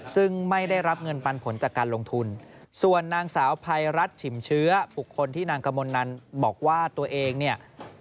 ซึ่งไม่ได้รับเงินปันผลจากการลงทุนส่วนนางสาวภัยรัฐฉิมเชื้อบุคคลที่นางกมลนันบอกว่าตัวเองเนี่ย